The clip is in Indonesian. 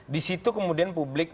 di situ kemudian publik